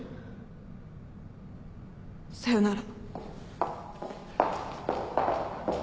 さようなら。